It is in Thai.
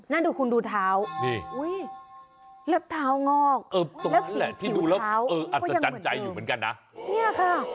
นั่นคุณดูเท้าและเท้างอกสีถิวเท้าอัศจรรย์ใจอยู่เหมือนกันนะ